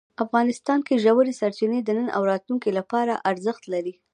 افغانستان کې ژورې سرچینې د نن او راتلونکي لپاره ارزښت لري.